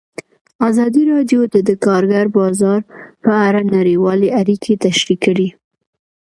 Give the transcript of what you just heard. ازادي راډیو د د کار بازار په اړه نړیوالې اړیکې تشریح کړي.